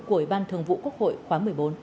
của ủy ban thường vụ quốc hội khóa một mươi bốn